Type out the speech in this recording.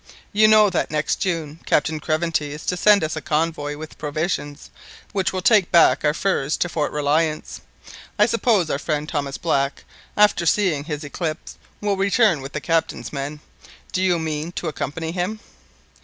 You know that next June, Captain Craventy is to send us a convoy with provisions, which will take back our furs to Fort Reliance. I suppose our friend Thomas Black, after having seen his eclipse, will return with the Captain's men. Do you mean to accompany him?"